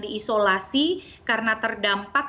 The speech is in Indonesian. diisolasi karena terdampak